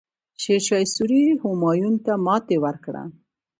شیرشاه سوري همایون ته ماتې ورکړه.